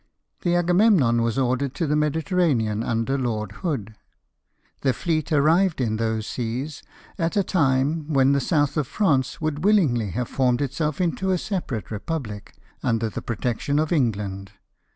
The Agamemnon was ordered to the Mediter ranean, under Lord Hood. The fleet arrived in those seas at a time when the South of France would willingly have formed itself into a separate republic, under the protection of England.